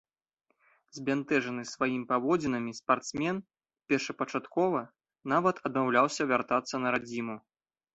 Збянтэжаны сваім паводзінамі спартсмен, першапачаткова, нават адмаўляўся вяртацца на радзіму.